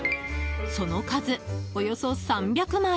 その数、およそ３００枚。